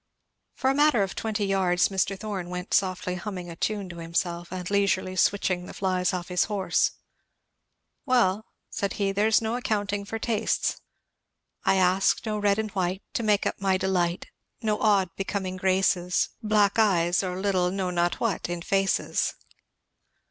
For a matter of twenty yards Mr. Thorn went softly humming a tune to himself and leisurely switching the flies off his horse. "Well," said he, "there's no accounting for tastes 'I ask no red and white To make up my delight, No odd becoming graces, Black eyes, or little know not what in faces.'"